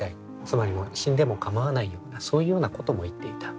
つまり死んでも構わないようなそういうようなことも言っていた。